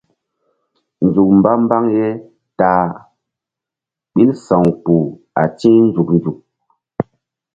Nzuk mba mbaŋ ye ta a ɓil sa̧w kpuh a ti̧h nzuk nzuk.